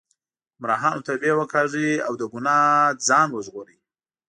ګمراهانو توبې وکاږئ او له ګناه ځان وژغورئ.